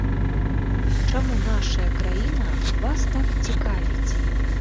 Чаму нашая краіна вас так цікавіць?